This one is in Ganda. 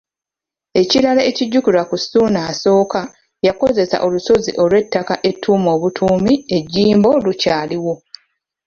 Ekirala ekijjukirwa ku Ssuuna I, yakozesa olusozi olw'ettaka ettuume obutuumi, e Jjimbo lukyaliwo.